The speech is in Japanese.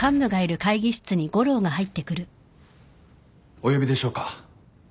お呼びでしょうか？